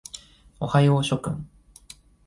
おはよう諸君。